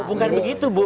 bukan begitu bu